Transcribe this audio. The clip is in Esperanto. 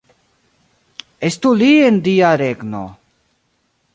Estu li en Dia regno!